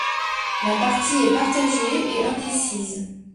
La partie est partagée et indécise.